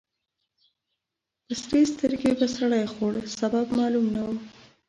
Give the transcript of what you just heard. په سرې سترګې به سړی خوړ. سبب معلوم نه و.